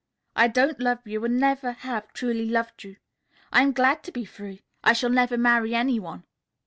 I don't love you and never have truly loved you. I am glad to be free. I shall never marry any one.